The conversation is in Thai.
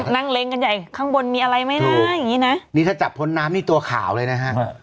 นั่งเล็งกันใหญ่ข้างบนมีอะไรไม่ได้ถ้าจับพ้นน้ำนี่ตัวขาวเลยนะฮะ